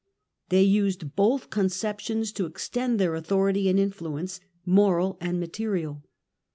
They used both conceptions to extend their authority and influence, moral and material.